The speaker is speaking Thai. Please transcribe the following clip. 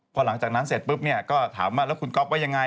พอหลังจากนั้นเสร็จปุ๊บเนี่ยก็ถามว่าแล้วคุณก๊อฟว่ายังไง